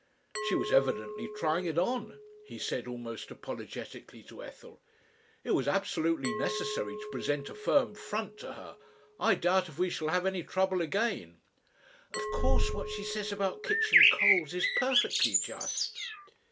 "She was evidently trying it on," he said almost apologetically to Ethel. "It was absolutely necessary to present a firm front to her. I doubt if we shall have any trouble again.... "Of course what she says about kitchen coals is perfectly just."